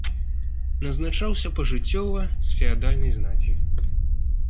Назначаўся пажыццёва з феадальнай знаці.